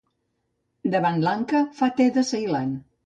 Davant Lanka fa te de Ceilan.